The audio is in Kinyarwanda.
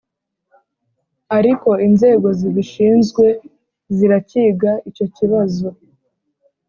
ariko inzego zibishinzwe ziracyiga icyo kibazo.